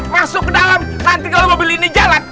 masuk ke dalam nanti kalau mobil ini jalan